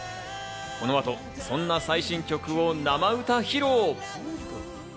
この後、そんな最新曲を生歌披露。